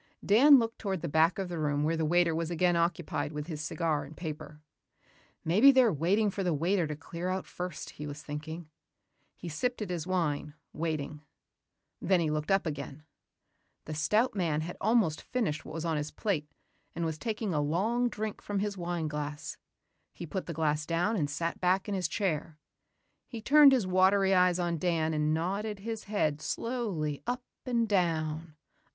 Dan looked toward the back of the room where the waiter was again occupied with his cigar and paper. Maybe they're waiting for the waiter to clear out first, he was thinking. He sipped at his wine, waiting.... Then he looked up again. The stout man had almost finished what was on his plate and was taking a long drink from his wine glass. He put the glass down and sat back in his chair. He turned his watery eyes on Dan and nodded his head slowly up and down ...